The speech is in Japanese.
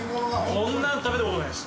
こんなの食べたことないです。